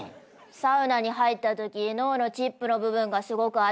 サウナに入ったとき脳のチップの部分がすごくあつくなる。